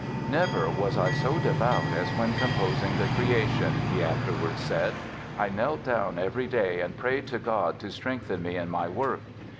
"Never was I so devout as when composing 'The Creation'" he afterwards said. "I knelt down every day and prayed to God to strengthen me in my work."